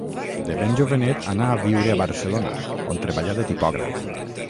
De ben jovenet anà a viure a Barcelona, on treballà de tipògraf.